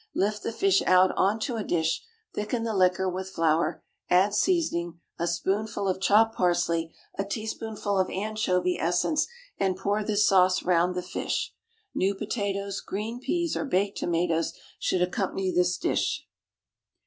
Lift the fish out on to a dish, thicken the liquor with flour, add seasoning, a spoonful of chopped parsley, a teaspoonful of anchovy essence, and pour this sauce round the fish. New potatoes, green peas, or baked tomatoes should accompany this dish.